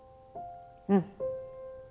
うん。